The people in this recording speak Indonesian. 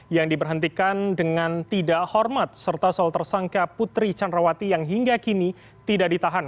yang diberhentikan dengan tidak hormat serta soal tersangka putri candrawati yang hingga kini tidak ditahan